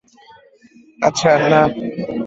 আচ্ছা, না।